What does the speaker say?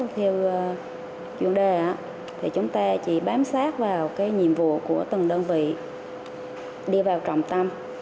theo chuyên đề chúng ta chỉ bám sát vào nhiệm vụ của từng đơn vị đi vào trọng tâm